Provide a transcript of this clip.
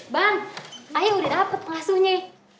bang ayah udah dapet pengasuhnya